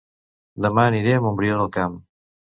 Dema aniré a Montbrió del Camp